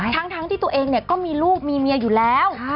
ทั้งที่ตัวเองก็มีลูกมีเมียอยู่แล้ว